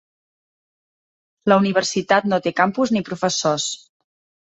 La universitat no té campus ni professors.